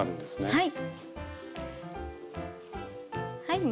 はい。